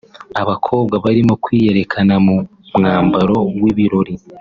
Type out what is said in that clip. Abakobwa barimo kwiyerekana mu mwambaro w’ibirori